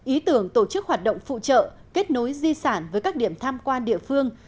ý tưởng tổ chức hoạt động phụ trợ kết nối di sản với các điểm tham quan địa phương